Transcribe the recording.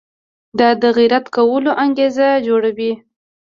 دا د غیرت کولو انګېزه جوړوي.